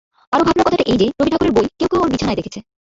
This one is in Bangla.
আরো ভাবনার কথাটা এই যে, রবি ঠাকুরের বই কেউ কেউ ওর বিছানায় দেখেছে।